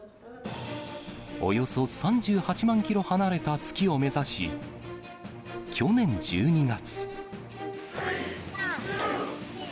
およそ３８万キロ離れた月を目指し、去年１２月。